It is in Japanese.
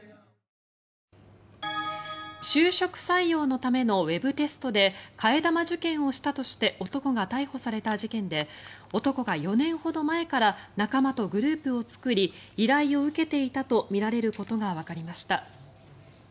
就職採用のためのウェブテストで替え玉受験をしたとして男が逮捕された事件で男が４年ほど前から仲間とグループを作り依頼を受けているとみられることがわかりました。